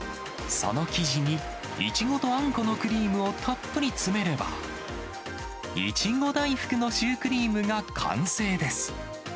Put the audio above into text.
その生地にイチゴとあんこのクリームをたっぷり詰めれば、イチゴ大福のシュークリームが完成です。